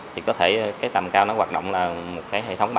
thì có thể cái tầm cao nó hoạt động là một cái hệ thống ba mươi